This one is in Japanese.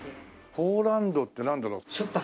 ポーランドってなんだろう？